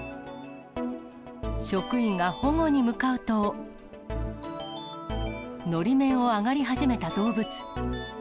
職員が保護に向かうと、のり面を上がり始めた動物。